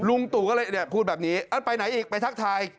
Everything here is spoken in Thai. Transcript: ตู่ก็เลยพูดแบบนี้ไปไหนอีกไปทักทาย